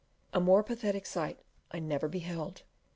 A more pathetic sight I never beheld.